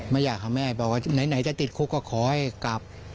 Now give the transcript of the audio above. ไม่อยากให้แม่แบบว่าไหนจะติดคุกก็ขอให้กลับ